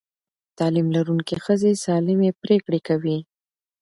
تعلیم لرونکې ښځې سالمې پرېکړې کوي.